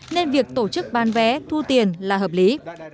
nên việc tổ chức bán vé thu tiền là hợp lý